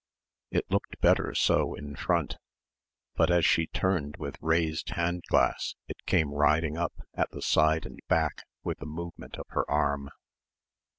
It looked better so in front; but as she turned with raised hand glass it came riding up at the side and back with the movement of her arm.